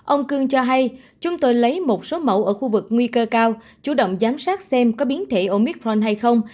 ông cương cho hay chúng tôi lấy một số mẫu ở khu vực nguy cơ cao chủ động giám sát xem có biến thể omicron hay không